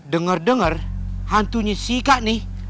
dengar dengar hantunya si ika nih